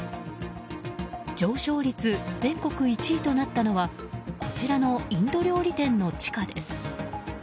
上昇率全国１位となったのはこちらのインド料理店の地価です。